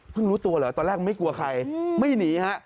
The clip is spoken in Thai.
รู้ตัวเหรอตอนแรกไม่กลัวใครไม่หนีฮะ